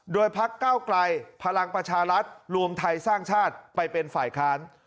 โดยพักเก้าไกลพลังประชารัฐรวมไทยสร้างชาติไปเป็นฝ่ายค้าน